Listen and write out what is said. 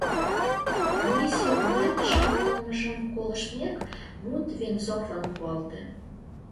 Комиссий вуйлатышын ойлымыжым колыштмек, мут Венцовлан пуалте.